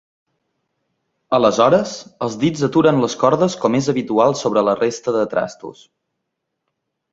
Aleshores, els dits aturen les cordes com és habitual sobre la resta de trastos.